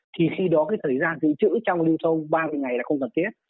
thì khi đó cái thời gian dự trữ trong lưu thông ba mươi ngày là không cần thiết